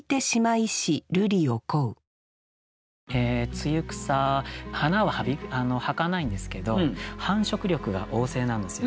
露草花ははかないんですけど繁殖力が旺盛なんですよ。